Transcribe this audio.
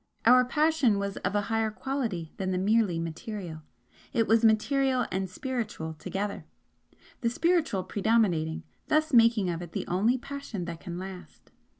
Our passion was of a higher quality than the merely material, it was material and spiritual together, the spiritual predominating, thus making of it the only passion that can last.